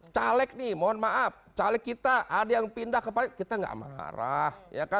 caleg nih mohon maaf caleg kita ada yang pindah kepadanya kita gak marah